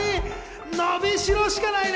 のびしろしかないね！